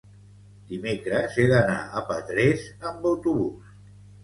Dimecres he d'anar a Petrés amb autobús.